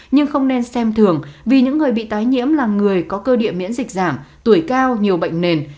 nhưng không nên xem thường vì những người bị tái nhiễm là người có cơ địa miễn dịch giảm tuổi cao nhiều bệnh nền